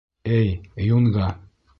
— Эй, юнга!